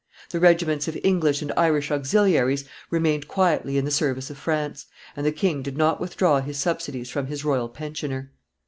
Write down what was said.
The regiments of English and Irish auxiliaries remained quietly in the service of France; and the king did not withdraw his subsidies from his royal pensioner.